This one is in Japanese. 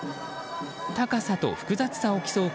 高さと複雑さを競う